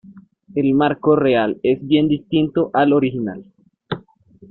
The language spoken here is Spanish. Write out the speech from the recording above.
El marco real es bien distinto al original.